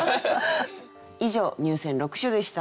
以上入選六首でした。